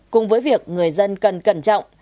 cùng với việc người dân cần cẩn trọng